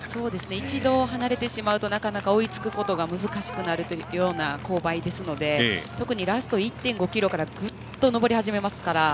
一度離れてしまうとなかなか追いつくことが難しくなるような勾配ですので特にラスト１．５ｋｍからぐっと上り始めますから。